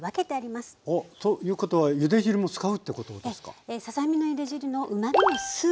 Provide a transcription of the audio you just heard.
おっということはゆで汁も使うっていうことですか？